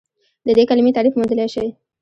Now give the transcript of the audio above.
د دې کلمې تعریف موندلی شئ؟